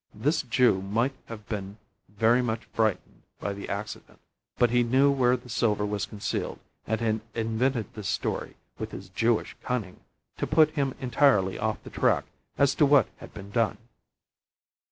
This Jew might have been very much frightened by the accident, but he knew where the silver was concealed, and had invented this story, with his Jewish cunning, to put him entirely off the track as to what had been done.